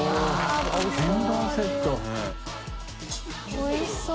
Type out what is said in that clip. おいしそう。